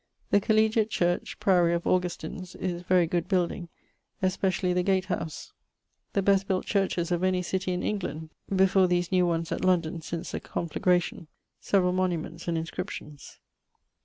The collegiate church (priorie of Augustines) is very good building, especially the gate house. The best built churches of any city in England, before these new ones at London since the conflagration. Severall monuments and inscriptions.